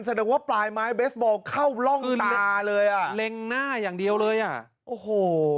แสดงว่าปลายไม้เบสบอลเข้าร่องตาเลยอ่ะเล็งหน้าอย่างเดียวเลยอ่ะโอ้โห